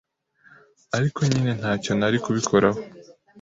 Ariko nyine nta cyo nari kubikoraho